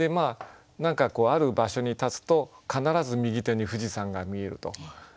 何かこうある場所に立つと必ず右手に富士山が見えると。